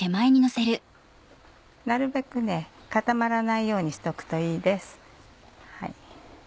なるべく固まらないようにしておくといいです。